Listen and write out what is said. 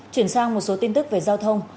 chuyển sang một số tin tức về giao thông